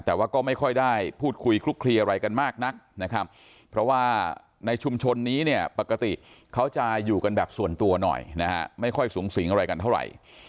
แต่ว่าก็ไม่ค่อยได้พูดคุยคลุกคลีอะไรกันมากนักนะครับเพราะว่าในชุมชนนี้เนี่ยปกติเขาจะอยู่กันแบบส่วนตัวหน่อยนะฮะไม่ค่อยสูงสิงอะไรกันเท่าไหร่